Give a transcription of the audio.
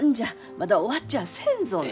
まだ終わっちゃあせんぞね。